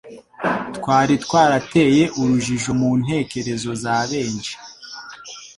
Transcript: kwari kwarateye urujijo mu ntekerezo za benshi,